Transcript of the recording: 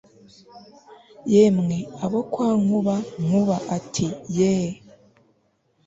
Yemwe abo kwa Nkuba Nkuba ati « yee